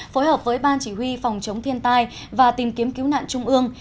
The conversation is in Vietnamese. phối hợp với ban chỉ huy phòng chống thiên tai và tìm kiếm cứu nạn trung ương